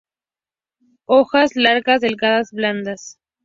Hojas largas, delgadas, blandas.